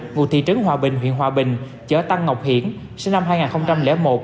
ngụ thị trấn hòa bình huyện hòa bình chở tăng ngọc hiển sinh năm hai nghìn một